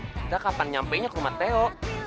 kita kapan nyampe nya ke rumah teo